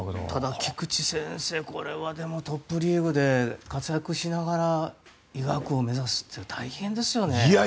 菊地先生トップリーグで活躍しながら医学部を目指すという大変ですよね。